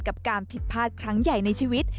กับการผิดพลาดครั้งใหญ่ในชีวิต